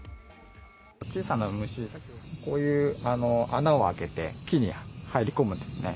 小さな虫が、こういう穴を開けて、木に入り込むんですね。